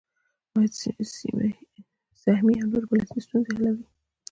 سهمیې او نورې پالیسۍ ستونزه حلوي.